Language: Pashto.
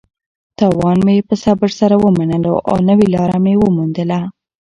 تاوان مې په صبر سره ومنلو او نوې لاره مې وموندله.